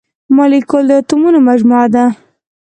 مالیکول د اتومونو مجموعه ده.